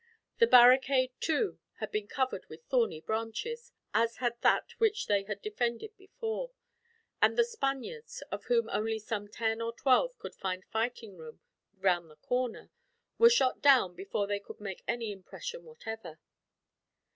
The barricade, too, had been covered with thorny branches, as had that which they had defended before; and the Spaniards, of whom only some ten or twelve could find fighting room round the corner, were shot down before they could make any impression, whatever.